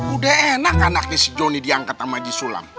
udah enak anaknya si jonny diangkat sama si sulam